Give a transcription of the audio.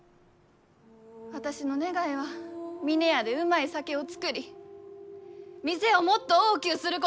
私の願いは峰屋でうまい酒を造り店をもっと大きゅうすること。